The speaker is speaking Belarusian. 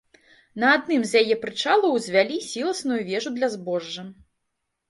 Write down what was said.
На адным з яе прычалаў узвялі сіласную вежу для збожжа.